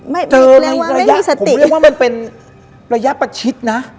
เรียกว่าไม่มีสติเรียกว่ามันเป็นระยะประชิดนะ